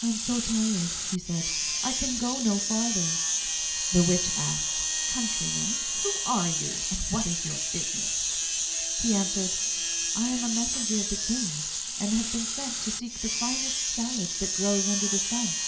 'I am so tired,' he said, 'I can go no farther.' The witch asked, 'Countryman, who are you, and what is your business?' He answered, 'I am a messenger of the King, and have been sent to seek the finest salad that grows under the sun.